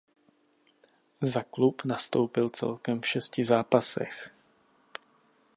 Za klub nastoupil celkem v šesti zápasech.